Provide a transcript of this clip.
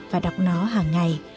và đọc nó hàng ngày